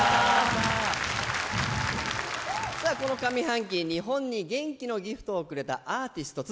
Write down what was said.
この上半期、日本に元気のＧＩＦＴをくれたアーティスト。